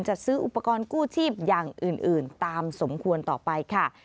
จะซื้ออุปกรณ์กู้ชีพอย่างอื่นตามสมควรต่อไปค่ะ